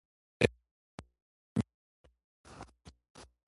Elle est aménagée pour l'accès des personnes à mobilité réduite.